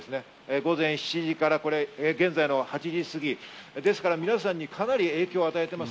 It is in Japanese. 午前７時から現在の８時すぎ、皆さんにかなり影響を与えています。